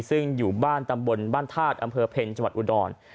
ซึ่งอยู่บ้านตำบลบ้านธาตุอำเภอเพ็ญจังหวัดอุดร